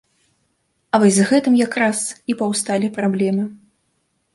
А вось з гэтым якраз і паўсталі праблемы.